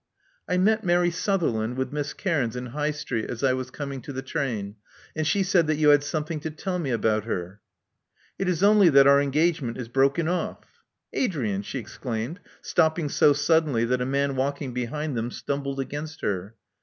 I met Mary Sutherland with Miss Cairns in High Street as I was coming to the train ; and she said that you had something to tell me about her." It is only that our engagement is broken off "Adrian!" she exclaimed, stopping so suddenly that a man walking behind them stumbled against her.